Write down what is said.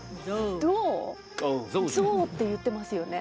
「ゾウ」って言ってますよね